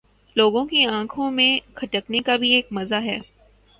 لوگوں کی آنکھوں میں کھٹکنے کا بھی ایک مزہ ہے